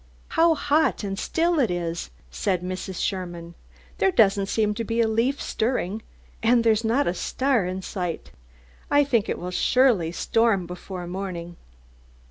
"How hot and still it is," said Mrs. Sherman. "There doesn't seem to be a leaf stirring, and there's not a star in sight. I think it will surely storm before morning."